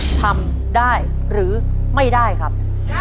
ทำได้หรือไม่ได้ครับ